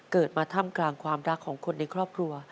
เกิดมาถ้ำกลางความรักของคนในครอบครัว